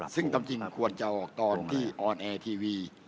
ซึ่งความจริงควรจะออกตอนที่ออนแอร์ทีวี